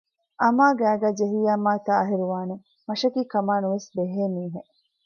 އަމާ ގައިގައި ޖެހިއްޔާ މާތާހިރުވާނެއެވެ! މަށަކީ ކަމާ ނުވެސް ބެހޭ މީހެއް